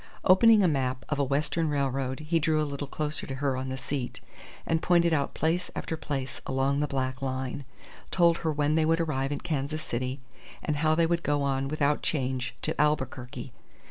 Opening a map of a western railroad, he drew a little closer to her on the seat, and pointed out place after place along the black line; told her when they would arrive at Kansas City, and how they would go on without change to Albuquerque.